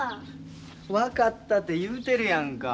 分かったて言うてるやんか。